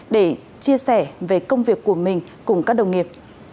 để chia sẻ về công việc của mình cùng các đồng nghiệp